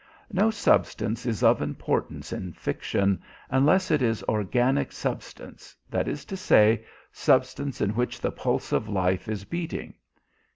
No substance is of importance in fiction, unless it is organic substance, that is to say, substance in which the pulse of life is beating.